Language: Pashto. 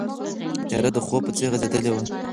تیاره د خوب په څېر غځېدلې وه.